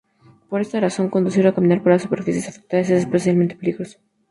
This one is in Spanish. Por esta razón conducir o caminar por las superficies afectadas es especialmente peligroso.